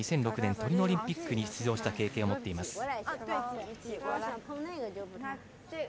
２００６年、トリノオリンピックに出場した経験を持っています。